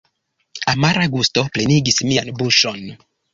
Amara gusto plenigis mian buŝon.